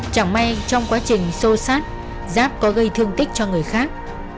chẳng may trong quá trình xô sát giáp có gây thương tích cho người khác